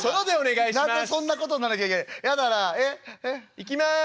「いきます！」。